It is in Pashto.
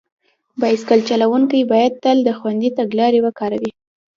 بایسکل چلونکي باید تل د خوندي تګ لارې وکاروي.